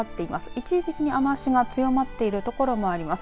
一時的に雨足が強まっている所もあります。